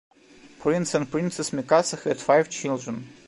Prince and Princess Mikasa had five children.